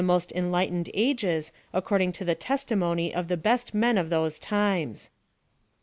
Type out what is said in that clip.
PLAN OP SALVATION. 43 enlightened ages, according to the testimony of the best men of those times.